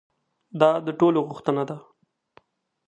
دا د ټولو غوښتنه ده.